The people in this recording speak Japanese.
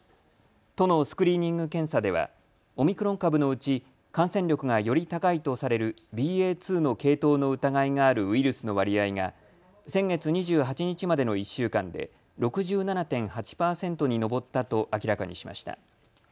都のスクリーニング検査ではオミクロン株のうち感染力がより高いとされるＢＡ．２の系統の疑いがあるウイルスの割合が先月２８日までの１週間で６７．８％に上ったと明らかにしました。